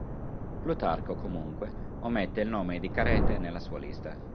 Plutarco, comunque, omette il nome di Carete nella sua lista.